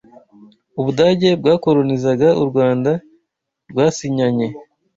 u Budage bwakolonizaga u Rwanda rwasinyanye